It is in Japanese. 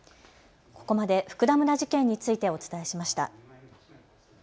ここまで福田村事件についてお伝えしました。